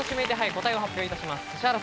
答えを発表いたします。